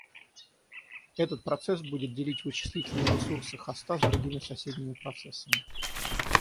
Этот процесс будет делить вычислительные ресурсы хоста с другими соседними процессами